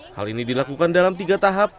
hal ini dilakukan dalam tiga tahap